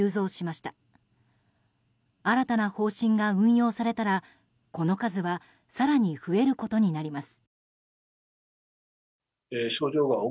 新たな方針が運用されたらこの数は更に増えることになります。